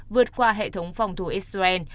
vượt qua hệ thống phòng thủ israel